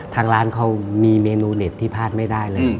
ทางร้านเขามีเมนูเด็ดที่พลาดไม่ได้เลย